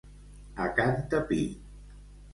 A can Tapí.